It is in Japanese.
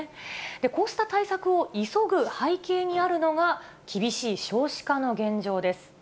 こうした対策を急ぐ背景にあるのが、厳しい少子化の現状です。